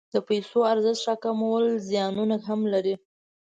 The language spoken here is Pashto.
د پیسو ارزښت راکمول زیانونه هم لري.